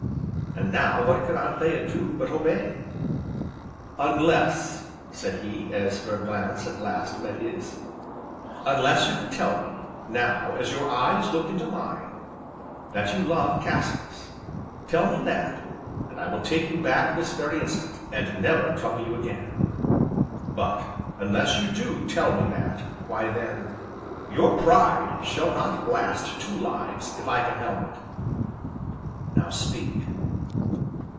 And now, what could Anthea do but obey? "Unless," said he, as her glance, at last, met his, "unless you can tell me now, as your eyes look into mine, that you love Cassilis. Tell me that, and I will take you back, this very instant; and never trouble you again. But, unless you do tell me that, why then your Pride shall not blast two lives, if I can help it. Now speak!"